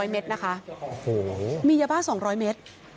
๐เมตรนะคะมียาบ้า๒๐๐เมตร